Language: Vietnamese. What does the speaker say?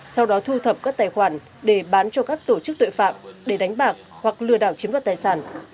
sau đó thu thập các tài khoản để bán cho các tổ chức tội phạm để đánh bạc hoặc lừa đảo chiếm đoạt tài sản